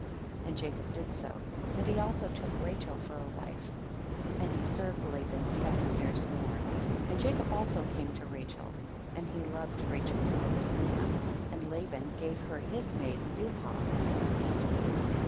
13. And Jacob did so, and he also took Rachel for a wife, and he served Laban seven years more, and Jacob also came to Rachel, and he loved Rachel more than Leah, and Laban gave her his maid Bilhah for a hand maid.